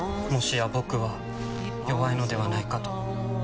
もしや僕は弱いのではないかと。